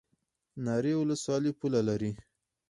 ناری ولسوالۍ پوله لري؟